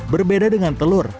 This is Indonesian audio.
berbeda dengan telur